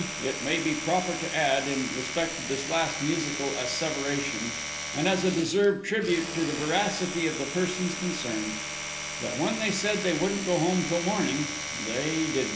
It may be proper to add, in respect to this last musical asseveration, and as a deserved tribute to the veracity of the persons concerned, that when they said they wouldn't go home till morning, they didn't.